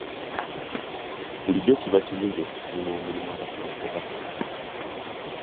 Bulijjo kiba kirungi okusiima omulimu abasawo gwe bakola.